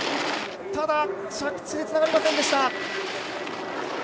ただ着地でつながりませんでした。